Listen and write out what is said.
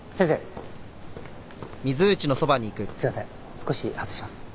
少し外します。